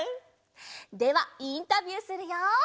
ではインタビューするよ。